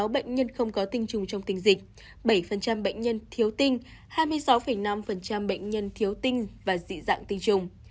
một mươi tám sáu bệnh nhân không có tình trùng trong tình dịch bảy bệnh nhân thiếu tinh hai mươi sáu năm bệnh nhân thiếu tinh và dị dạng tình trùng